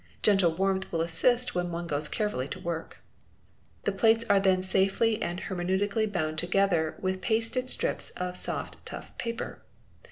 Gentle warmth will assist when one goes" carefully to work. The plates are then safely and hermetically bound together with pasted slips of soft tough paper.